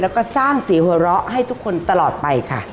แล้วก็สร้างเสียงหัวเราะให้ทุกคนตลอดไปค่ะ